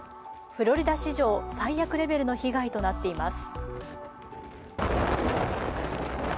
フロリダ史上最悪レベルの被害となっています。